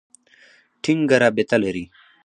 ټینګه رابطه لري.